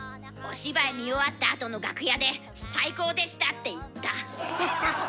お芝居見終わったあとの楽屋で「最高でした」って言った。